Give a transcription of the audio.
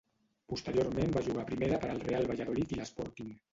Posteriorment va jugar a primera per al Real Valladolid i l'Sporting.